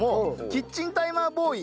キッチンタイマーボーイ